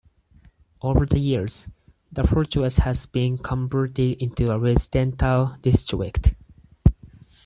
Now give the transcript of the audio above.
Over the years, the fortress has been converted into a residential district.